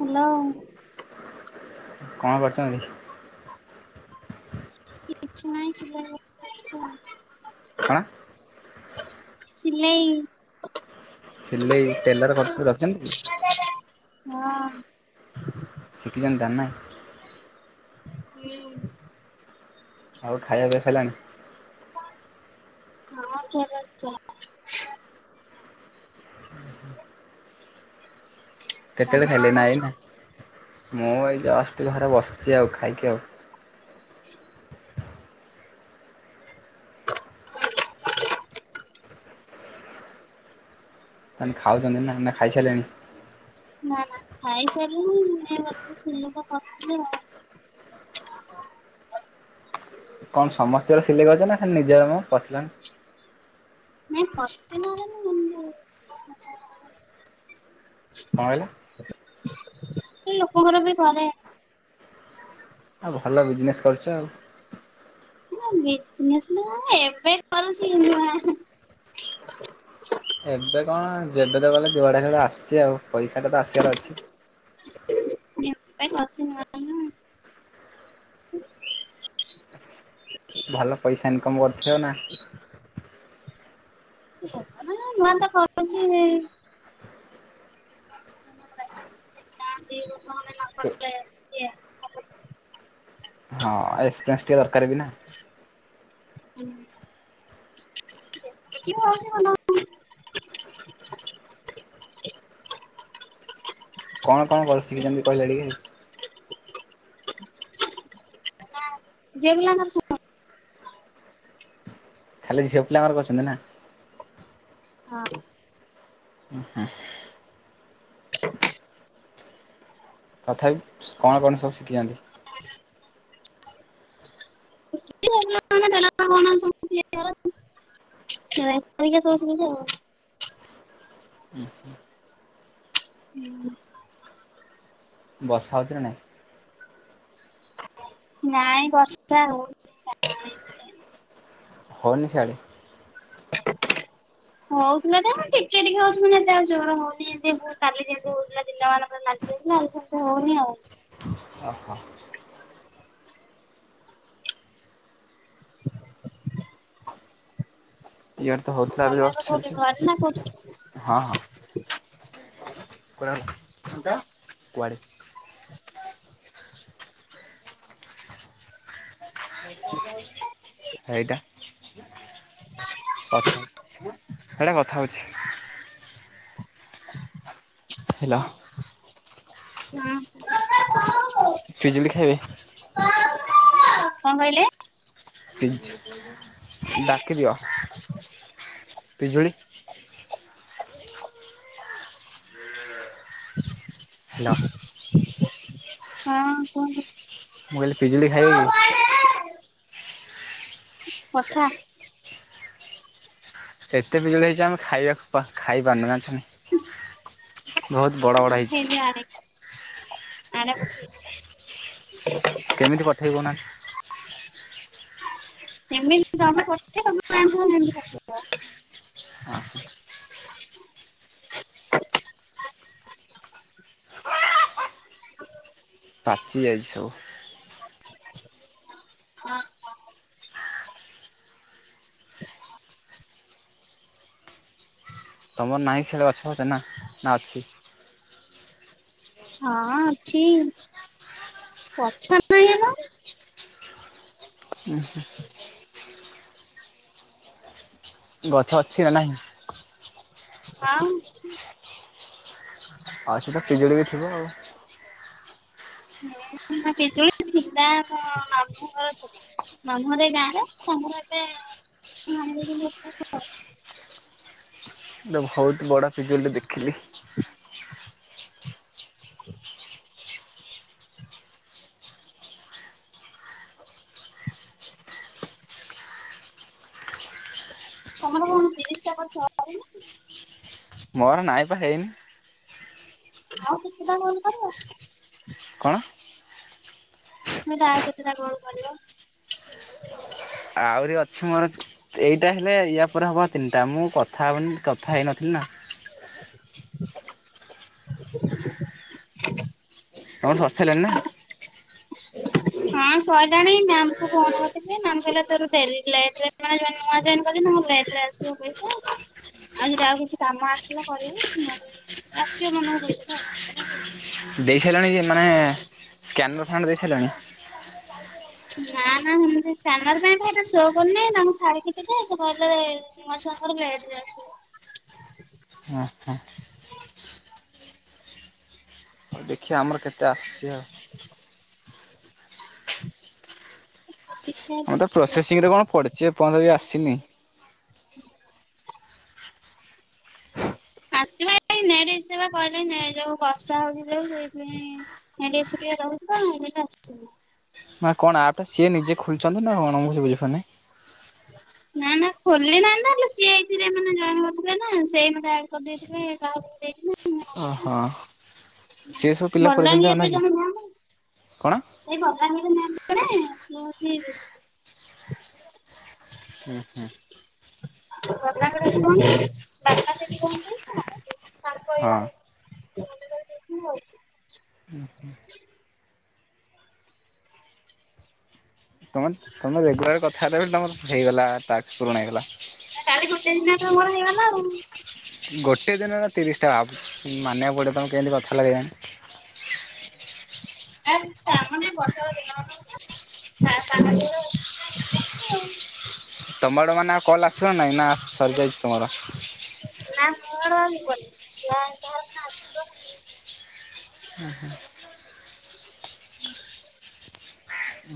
Hello. କଣ କରିଥାନ୍ତି। କିଛି ନାଇଁ ସିଲା ବସି ସ୍କୁ ହାଁ। ସିଲେଇ। ସିଲେଇ ଟେଲର ପଛ କୁ ରଖିଚନ୍ତି କି? ଚେଲା ହଁ। ଶିକିଲାନି ଦାନା। ହୁଁ। ଆଉ ଖାଇବା ପିଇବା ସଇଲାଣି। ହଁ ଖିଆ ପିଆ ଶେଷହେଲାଣି। ତମେ କେତେବେଳେ କଣ ଖାଇଲେ ନା କରୁଛ? ଏଇନା ମୁଁ ଏ ଜଷ୍ଟ ଘରେ ବସିଛି ଆଉ ଖାଇକି ଆଉ। ଶିଷ୍କ ଖାଲି ଖାଉଚନ୍ତି ନା ନା ଖାଇସାରିଲେଣି? ନା ନା ଖାଇସାରିଲିଣି ଏ ବସିଥିଲି ତ କରିଦେଲି ଆଉ। କଣ ସମସ୍ତିଙ୍କ ର ସିଲେଇ କରୁଚନା? ଖାଲି ନିଜର ମ ପସିନାଲ୍? ନାଇଁ ପସିନାଲ୍ ନୁହଁ, ଏମିତି କଣ କହିଲ? ଲୋକଙ୍କର ବି କରେ। ଆଉ ଭଲ ବିଜନେସ୍ କରୁଚ ଆଉ? ନା ବିଜନେସ୍ ନୁହଁ, ଏବେ କରୁଚି ନୁଆ। ଏବେ କଣ, ଯେବେ ତ ଗଲେ ଯୁଆଡେ ହେଡା ଆସିଚି ଆଉ, ପଇସାଟା ତ ଆସିବାର ଅଛି। [unintelligible] ଭଲ ପଇସା ଇନକମ୍ କରିଥିବ ନା? କିଏ କରୁଥିବନା ଆ, ନୂଆତ କରୁଚି ହେଇ ନନାକୁ ଡାକିବା। ହଁ, ଏକ୍ସପ୍ରେରେନ୍ସ ଟିକେ ଦରକାର ବି ନା। ହୁଁ। [unintelligible] କଣ କଣ କରି ଶିଖିଚନ୍ତି କହିଲେ ଟିକେ ଝିଅ ପିଲାଙ୍କର ସ ଖାଲି ଝିଅ ପିଲାଙ୍କର କରିଚନ୍ତି ନା? ହଁ ତଥାପି କଣ କଣ ସବୁ ଶିଖିଚନ୍ତି? [unintelligible] [unintelligible] [unintelligible] ଉଁ ହୁଁ। ହୁଁ। ବର୍ଷା ହଉଚିନା ନାହିଁ? ନାଇଁ ବର୍ଷା ହଉନି [unintelligible] ହଉନି ସିଆଡେ? [unintelligible] ହଉଥିଲା ଯେ ମୁଁ ଟିକେ ଟିକେ ହଉଚି ମାନେ ଏତେ ଆଉ ଜୋରେ ହଉନି, ଏମତି କାଲି ଯେମିତି ହଉଥିଲା ଦିନମାନ ପୁରା ଲାଗି ଲାଗି ରହିଥିଲା, ଆଜି ସେମିତି ହଉନି ଆଉ। ଅ ହ [unintelligible] ଇଆଡ଼େ ତ ହଉଥିଲା ଏବେ ତମେ ଜଷ୍ଟ୍ କୋଉଠି ଘରେ ନା କୋଉଠି? ଛାଡ଼ିଚି, ହଁ ହଁ। କୁଆଡ଼େ ଗଲା? କୁଆଡେ? [unintelligible] ହେଇଟା କଥା, ହେଟା କଥା ହଉଚି। ହେଲା। [unintelligible] ପିଜୁଳି ଖାଇବେ? କଣ କହିଲେ? ପିଜ୍ ଡାକିଦିଅ, ପିଜୁଳି ହେଲୋ ହଁ କୁହନ୍ତୁ? ମୁଁ କହିଲି ପିଜୁଳି ଖାଇବେ କି? ପଠା। ଏତେ ପିଜୁଳି ହେଇଚି ଆମେ ଖାଇବାକୁ ପା, ଖାଇ ପାରୁନୁ ଜାଣିଚୁ ନା ନାଇଁ? ବହୁତ୍ ବଡ଼ ହେଇଛି। ମଥେଇି ଆଡ ଆଡ ପ [unintelligible] କେମିତି ପଠେଇ ଦଉନା। ମତିମମତିେଇ ହଁ [unintelligible] ହ [unintelligible] ପାଚି ଯାଇଚି ସବୁ। ହୁ [unintelligible] [unintelligible] ତୁମର ନାହିଁ ସିଆଡ଼େ ଗଛ ଫଚ ନା ନା ଅଛି। ହଁ ଅଛି ପଛରେଲା [unintelligible] ହୁ ହୁ [unintelligible] ଗଛ ଅଛି ନା ନାହିଁ। ହଁ ଅଛି। ଆଉ ସେଟା ପିଜୁଳି ବି ଥିବ ଆଉ। ଁ ପେଜୁଳି ଥିଲା ମୋ ମାମ ଘର ଥିଲା [unintelligible] ମାମୁଁରେ ଏ ଗାଁରେ ତାଙ୍କର ଏବେ [unintelligible] ବହୁତ ବଡ ପିଜୁଳି ଟେ ଦେଖିଲି। ତମର କଣ ତିରିଶ ଟା ଗଛ ମର ନାଇବା ହେଇନି। ଆଉ କେତେ ଟା ଫୋନ୍ କରିବ। କଣ? ତମେ ତ ଆଉ କେତଟା କଲ୍ କରିବ। ଆହୁରି ଅଛି ମୋର ଏଇଟା ହେଲେ ୟା ପରେ ହେବ ତିନିଟା ମୁଁ କଥା ହେବନି କଥା ହେଇନଥିଲି ନା। [unintelligible] ତମର ସରିସଆଲାନି ନା। ହଁ ଶହିଲାଣି ମ୍ୟାମ କୁ ଫୋନ୍ କରିଥିଲି ମାମ କହିଲେ ତୋର ଲଟେ ନୂଆ ଜୟ କରିଛନ୍ତି ତା ଆସିବ ପଇସା ଆଉ ଯଦି ଆଉ କିଛି କାମ ଆସିଲା କରିବୁ। ଆସିବ ମନକୁ ପଇସା। ଦେଇ ସାରିଲାଣି ଯେ ମାନେ ସ୍କାନର ଫାଣ୍ଡ ଦେଇଥସରଲଣି। ନା ନା ମୁ ସ୍କାନର ପାଇଁ ଖାଇ ଶୋ କରୁନି ତାଙ୍କୁ ଛାଡିକି ଦେ ସେ କହିଲେ ନୁଆ ଛୁଆଙ୍କର ଲେଟ ରେ ଆସିବ। ହ ହ [unintelligible] ହଉ ଦେଖିବା ଆମର କେତେ ଆସୁଛି ଆଉ। ଦେଖିଆ ଆମର ତ କେତେ ଲେଟରେ ପ୍ରୋସେସିଂ ରେ କଣ ଆସୁଛି। ପଡିଚଛି ଏପର୍ଯ୍ୟନ୍ତ ବି ଆସିନି। ଆସିବା ନ ସେବା କହିଲ ନ ଯୋଉ ବର୍ଷା ହଉଛି ଯୋଉ ସେଇପାଇଁ ଏ ଟେ ରହୁଛି କ ଏ ଆସ [unintelligible] ନା କଣ ଆପ ଟା ସିଏ ନିଜେ ଖୋଲିଛନ୍ତି ନା କଣ ବୁଜିପାରୁନି। ନା ନା ଖୋଲି ନାହାଁନ୍ତିଲେ ସିଏ ଏଇଥିରେ ମାନେ ଜ କରିଥିଲେ ନା ସେ ମତେ ଆଡ କରିଦେଇଥିବେ। ଓହୋ ସିଏ ସବୁ ପିଲା ପୁରେଇଛନ୍ତି ଆଉ ନା ବଲାଙ୍ଗୀରରେ କି ଜଣ କଣ? ସେଇ ଭଲଙ୍ଗ ନା କଣେ ସଏଉଛି [unintelligible] ହୁଁ ହୁଁ। ରତ୍ନାକର କହନ୍ତି ରତ୍ନା ସେଠି କୁହନ୍ତି ତ ତାଙ୍କ ହଁ ଇ [unintelligible] ହଉ [unintelligible] ହୁଁ ହୁଁ ତମେ ତମେ ରେଗୁଲାର କଥା କହିବ ତମ ହେଇଗଲା ଟାକସ୍ ପୁରୁଣ ହେଇଗଲା। କାଲି ଗୋଟେ ଦିନେ ତ ମର ହେଇଗଲା ଆଉ ଗୋଟେ ଦିନରେ ତିରିଶ ଟା ମାନିବାକୁ ପଡିବ ତମେ କେମିତି କଥା ଲଗାଇଲୋଣି। [inaudible] ଆ ତାମାନେ ବର୍ଷର ଦିନ ମାନକର [inaudible] ତାମାନେ [inaudible] ତମର ମାନେ ଆଉ କଲ୍ ଆସୁଛି ନା ନାହିଁ ନା ସରିଯାଇଛି ତମର। ନା ମୋର ଆଉ ଯିବନି। [inaudible] ଯାହା ଯାହାର ସିନା ଆସିବ। [inaudible]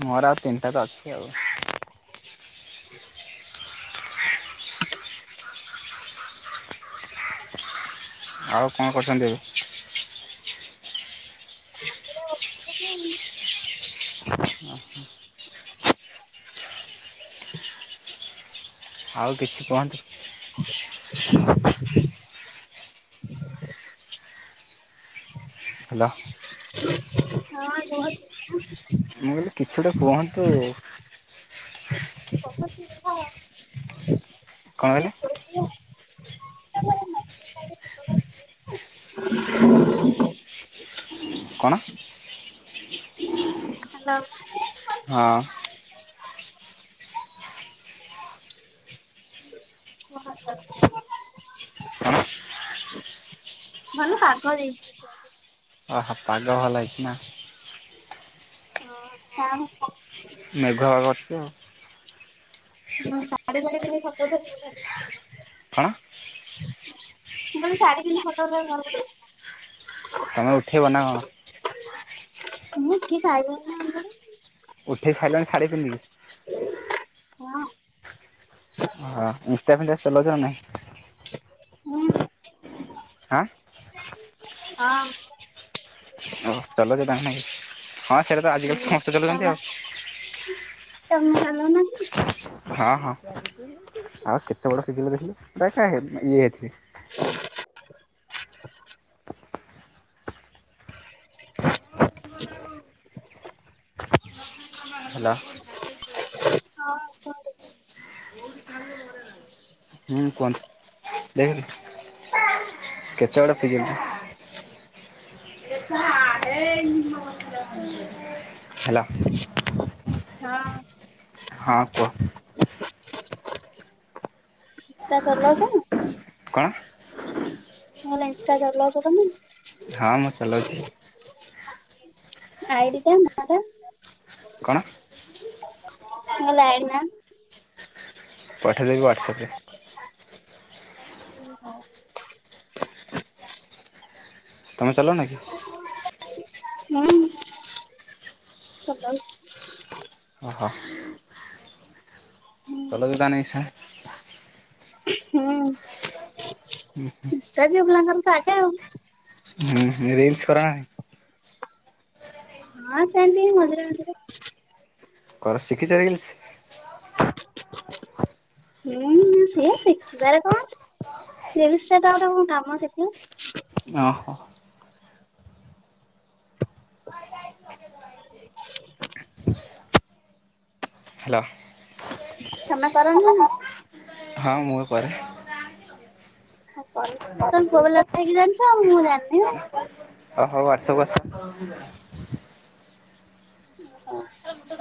ମୋର ଆଉ ତିନିଟା ତ ଅଛି ଆଉ [inaudible] [inaudible] ଆଉ କଣ କରୁଛନ୍ତି? [inaudible] [inaudible] [inaudible] ଆଉ କିଛି କୁହନ୍ତୁ। [inaudible] ହାଲୋ। ହଁ ରୁହ [inaudible] ଟିକେ। ମୁଁ କହିଲି କିଛି ତୋ କୁହନ୍ତୁ? [unintelligible] କଣ କହିଲେ? କଣ? ହାଲୋ। ହଁ। [unintelligible] [inaudible] ଭଲ ପାଗ ଦେଇଛି। ଅହ ପାଗ ଭଲ ହେଇଛିି ନା? [inaudible] ହଁ। କଣ ହେଇଛି? ମେଘୁଆ ପାଗ ଅଛି ତୋ। ହଁ। ସାଡ଼ି ଫାଡି ଟିକେ ଫୋଟ ଉଠାଉ ଥିଲି ତୋ କଣ? [inaudible] ମୁଁ ଶାଢୀ ପିନ୍ଧି ଫଟୋ ଉଠାଇବାକୁ ଘରକୁ ଯାଇଛି। ତମେ ଉଠେଇବ ନା କଣ? [inaudible] ମୁଁ ଉଠାଇ ସାଇଲେନା ଇଆଡେ ଉଠି ସାଇଲଣି ଶାଢ଼ୀ ପିନ୍ଧି? ହଁ। ହଁ। ଇନଷ୍ଟା ଫିନଷ୍ଟା ଚଲଉଛ ନା ନାଇଁ? ହୁଁ। ହାଁ। ହଁ। ଓହ ଚଲଉଛ ତାମାନେ ନାଇକି? ହଁ ସେଇଟା ତ ଆଜିକାଲି ହଁ ସମସ୍ତେ ଚଲୁଛନ୍ତି ତମେ ଆଉ। ତମେ ଚଲଉ ନ କି? ହଁ। ହଁ। ଆଉ କେତେ ବଡ ସିଜିଲ ଦେଖିଲି ଏହେ ଇଏ ସିଏ [inaudible] [unintelligible] ହାଲୋ। [unintelligible] ହଁ କୁହନ୍ତୁ। ହୁଁ କୁହନ୍ତୁ। ଦେଖରେ କେ [unintelligible] [unintelligible] ହେଲ। ହଁ। ହଁ କୁହ। [unintelligible] କଣ? ମୋ ଇନଷ୍ଟା ଚଲଉଛ ତମେ? ହଁ ମୁଁ ଚଲଉଛି। ଆଇଡିଟା ନାଆଟା? କଣ? ମୁଁ କହିଲି ଆଇଡି ନା। ପଠାଇଦେବି ହ୍ୱାଟ୍ସଆପରେ। [unintelligible] ତମେ ଚଲଉ ନ କି? ହୁଁ। ଚଲଉଛି। ଓହୋ। [unintelligible] ହୁଁ। ଇନଷ୍ଟା ଝିଅ ପିଲାଙ୍କର ତ ଆଗେ ଆଉ। ହୁଁ ରିଲ୍ସ କର ନାହିଁ। ହଁ ସେନ୍ତି ମଝିରେ ମଝିରେ। କର ଶିଖିଛ ରିଲସ୍? ହୁଁ ସିଏ ଶିଖିବାରେ କଣ ଅଛି? ସୋ ତ ଗୋଟେ କଣ କାମ ଶିଖି ଓହୋ। [inaudible] ହ୍ୟାଲୋ। କାମ କର କି ନାଇଁ? ହଁ ମୁଁ କରେ। ହଁ ପରେ ତମେ ପୁଅ ପିଲାଟେ ହେଇକି ଜାଣିଛ ମୁଁ ଜାଣିନି ନାହିଁ। ଓ ହଉ [unintelligible] [unintelligible]